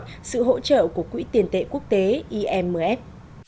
nếu không có sự hỗ trợ của quỹ tiền tệ quốc tế imf